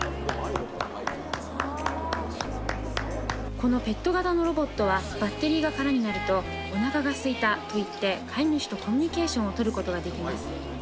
このペット型のロボットはバッテリーが空になると、おなかがすいたと言って、飼い主とコミュニケーションをとることができます。